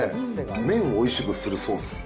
麺をおいしくするソース。